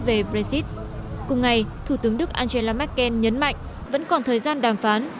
về brexit cùng ngày thủ tướng đức angela merkel nhấn mạnh vẫn còn thời gian đàm phán